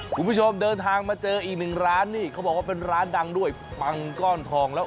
คุณผู้ชมเดินทางมาเจออีกหนึ่งร้านนี่เขาบอกว่าเป็นร้านดังด้วยปังก้อนทองแล้ว